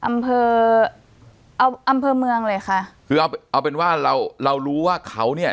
อำเภอเอาอำเภอเมืองเลยค่ะคือเอาเอาเป็นว่าเราเรารู้ว่าเขาเนี่ย